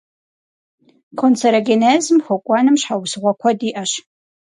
Канцерогенезым хуэкӀуэным щхьэусыгъуэ куэд иӀэщ.